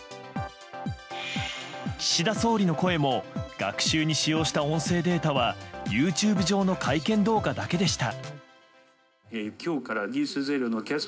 岸田総理の声も学習に使用した音声データはＹｏｕＴｕｂｅ上の会見動画だけでした。